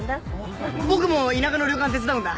僕も田舎の旅館手伝うんだ。